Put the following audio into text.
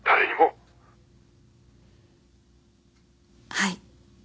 はい。